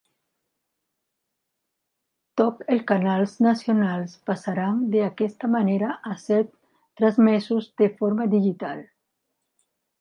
Tots els canals nacionals passaran d'aquesta manera a ser transmesos de forma digital.